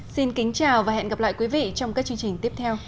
xin kính chào và hẹn gặp lại quý vị trong các chương trình tiếp theo